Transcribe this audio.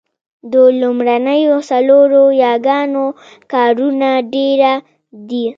د لومړنیو څلورو یاګانو کارونه ډېره ده